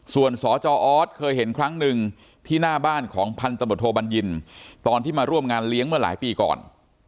ส่วนสจออสเคยเห็นครั้งหนึ่งที่หน้าบ้านของพันธบทโทบัญญินตอนที่มาร่วมงานเลี้ยงเมื่อหลายปีก่อน